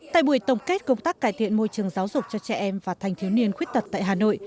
tại buổi tổng kết công tác cải thiện môi trường giáo dục cho trẻ em và thanh thiếu niên khuyết tật tại hà nội